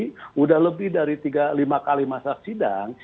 sudah lebih dari tiga lima kali masa sidang